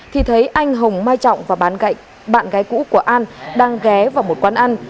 thì thấy anh hồng mai trọng và bạn gái cũ của an đang ghé vào một quán ăn